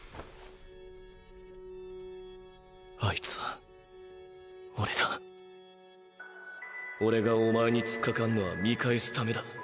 あいつは俺だ俺がおまえにつっかかんのは見返す為だ。